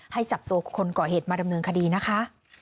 ให้จับตัวคนก่อเหตุมาดำเนินคดีนะคะ